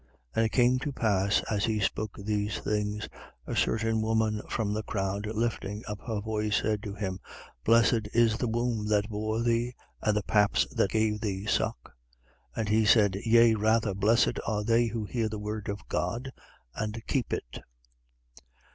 11:27. And it came to pass, as he spoke these things, a certain woman from the crowd, lifting up her voice, said to him: Blessed is the womb that bore thee and the paps that gave thee suck. 11:28. But he said: Yea rather, blessed are they who hear the word of God and keep it.